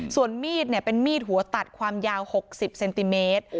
ส่วนมีดเป็นมีดหัวตัดความยาว๖๐เซนติเมตร